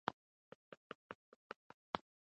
مګر د پښتو ژبې پوهیالان او د ادب مینه والو استا دانو